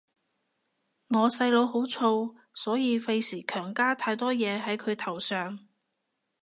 我細佬好燥，所以費事強加太多嘢係佢頭上